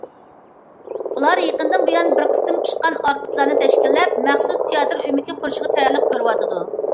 ئۇلار يېقىندىن بۇيان بىر قىسىم پىشقان ئارتىسلارنى تەشكىللەپ مەخسۇس تىياتىر ئۆمىكى قۇرۇشقا تەييارلىق كۆرۈۋاتىدۇ.